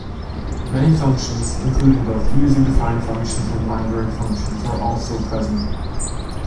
Many functions, including both user-defined functions and library functions are also present.